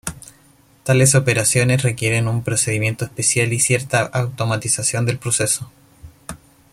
Tales operaciones requieren un procedimiento especial y cierta automatización del proceso.